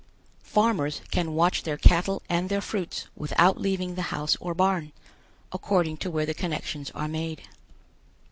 Farmers can watch their cattle and their fruits without leaving the house or barn, according to where the connections are made.